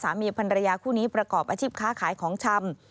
สามีภรรยาคู่นี้ประกอบอาชีพค้าขายของชำ